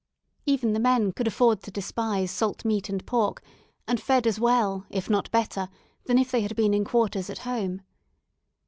Even the men could afford to despise salt meat and pork, and fed as well, if not better, than if they had been in quarters at home.